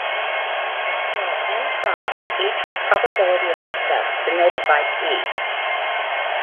There are "n" trials each with probability of success, denoted by "p".